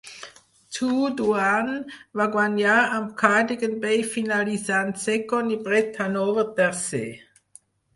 True Duane va guanyar amb Cardigan Bay finalitzant segon i Bret Hanover tercer.